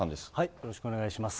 よろしくお願いします。